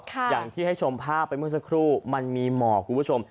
อย่างที่ให้ชมภาพไปเมื่อสักครู่มันมีหมอกคุณผู้ชม